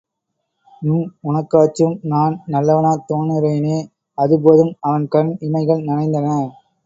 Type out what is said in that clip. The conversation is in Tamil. ம்... உனக்காச்சும் நான் நல்லவனாத் தோணுறேனே, அது போதும்! அவன் கண் இமைகள் நனைந்தன.